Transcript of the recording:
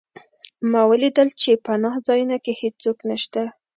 ما ولیدل چې په پناه ځایونو کې هېڅوک نشته